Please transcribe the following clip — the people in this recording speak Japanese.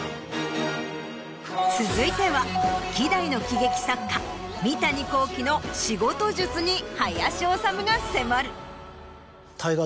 続いては希代の喜劇作家三谷幸喜の仕事術に林修が迫る。